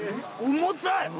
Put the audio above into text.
重たい！